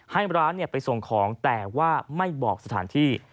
ให้ร้านไปส่งของแต่ว่าไม่บอกสถานที่